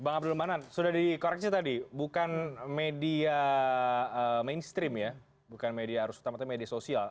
bang abdul manan sudah dikoreksi tadi bukan media mainstream ya bukan media harus utamanya media sosial